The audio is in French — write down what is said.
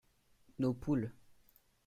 Nos poules.